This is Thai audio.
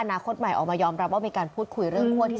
นาคตใหม่ออกมายอมรับว่ามีการพูดคุยเรื่องคั่วที่